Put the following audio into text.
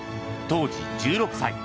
当時、１６歳。